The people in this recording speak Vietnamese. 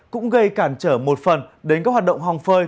cũng gây cản trở một phần đến các hoạt động hòng phơi